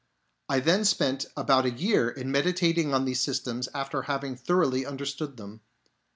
I then spent about a year in meditating on these systems after having thoroughly understood them.